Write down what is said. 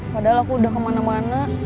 padahal aku udah kemana mana